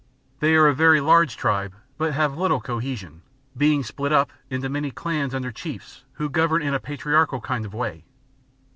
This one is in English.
They are a very large tribe, but have little cohesion, being split up, into many clans under chiefs who govern in a patriarchal kind of way.